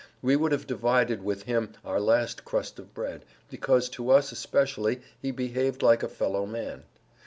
We would have divided with him our last crust of bread, because to us especially, he behaved like a fellow man.